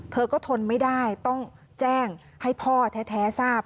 เธอก็ทนไม่ได้ต้องแจ้งให้พ่อแท้ทราบ